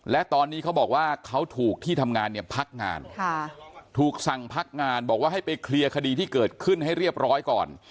และตอนนี้เขาบอกว่าเขาถูกที่ทำงานเนี่ยพักงานถูกสั่งพักงานบอกว่าให้ไปเคลียร์คดีที่เกิดขึ้นให้เรียบร้อยก่อน